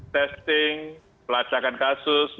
testing pelacakan kasus